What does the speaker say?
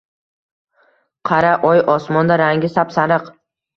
Qara, oy osmonda, rangi sap-sariq!